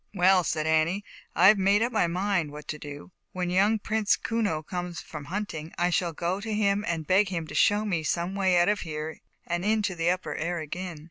"Well, " said Annie, " I have made up my mind what to do; when young Prince Kuno comes from hunting, I shall go to him and beg him to show me some way out of here and into the upper air again.